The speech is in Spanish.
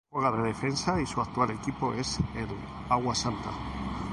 Juega de defensa y su actual equipo es el Água Santa.